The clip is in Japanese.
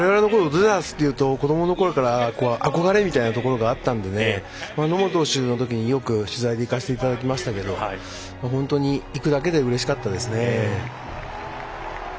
ドジャースというと子どものころから憧れみたいなところがあったので野茂投手のときによく、取材で行かせていただきましたが本当に、行くだけでうれしかったですね。